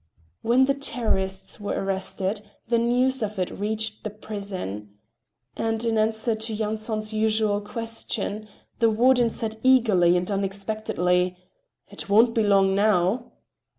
When the terrorists were arrested the news of it reached the prison. And in answer to Yanson's usual question, the warden said eagerly and unexpectedly: "It won't be long now!"